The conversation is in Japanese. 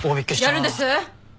やるんです！？